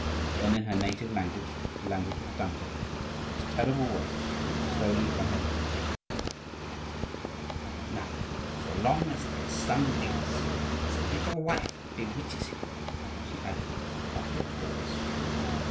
Then, in her native language, the language of Dante, these terrible words came slowly from her lips:— "Nothing so long as that son lives!—His little wife bewitches him," she added after a pause.